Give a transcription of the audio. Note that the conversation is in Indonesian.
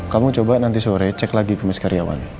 kamu coba nanti sore cek lagi ke miss karyawan